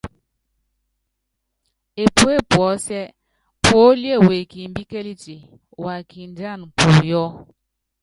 Epuépuɔ́sí, Púólíé wekimbíkéliti, wa kindíana púyɔ́.